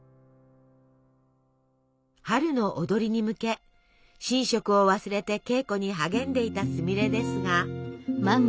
「春のをどり」に向け寝食を忘れて稽古に励んでいたすみれですが。